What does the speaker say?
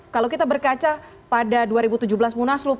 kalau kita berkaca pada dua ribu tujuh belas munaslup